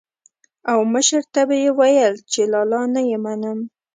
او مشر ته به یې ويل چې لالا نه يې منم.